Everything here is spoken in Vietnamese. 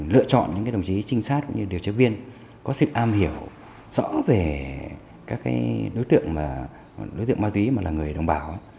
lựa chọn những đồng chí trinh sát cũng như điều chấp viên có sự am hiểu rõ về các đối tượng ma túy mà là người đồng bào